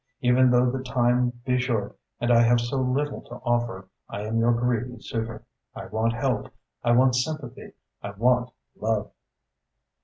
Even though the time be short and I have so little to offer, I am your greedy suitor. I want help, I want sympathy, I want love."